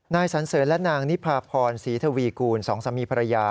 สันเสริญและนางนิพาพรศรีทวีกูลสองสามีภรรยา